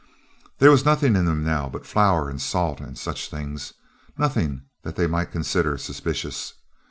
There was nothing in them now but flour and salt and such things nothing that they might consider suspicious.